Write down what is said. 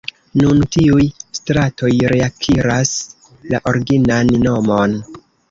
Nun tiuj stratoj reakiras la originan nomon.